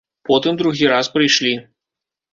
Потым другі раз прыйшлі.